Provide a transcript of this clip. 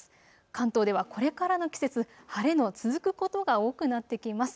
関東ではこれからの季節、晴れの続くことが多くなってきます。